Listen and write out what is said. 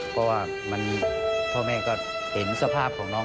เพราะว่าพ่อแม่ก็เห็นสภาพของน้อง